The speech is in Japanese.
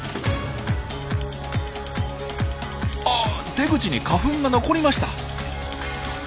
出口に花粉が残りました。